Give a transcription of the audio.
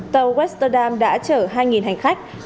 tàu western dam đã chở hai hành khách